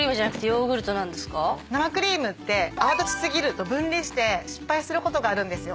生クリームって泡立ち過ぎると分離して失敗することがあるんですよ。